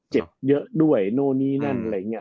เจ็บเยอะด้วยนู่นนี่นั่นอะไรอย่างนี้